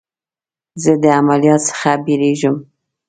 زه د عملیات څخه بیریږم.